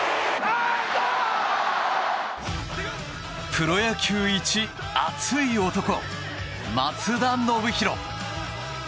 プロ野球一熱い男松田宣浩。